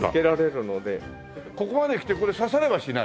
ここまできてこれ刺されはしない？